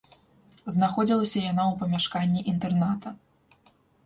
Знаходзілася яна ў памяшканні інтэрната.